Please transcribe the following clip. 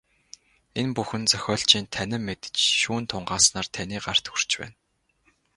Энэ бүхэн зохиолчийн танин мэдэж, шүүн тунгааснаар таны гарт хүрч байна.